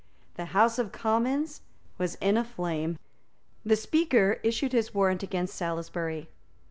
The House of Commons was in a flame. The Speaker issued his warrant against Salisbury.